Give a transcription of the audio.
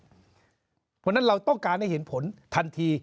เพราะฉะนั้นเราต้องการให้เห็นผลทันที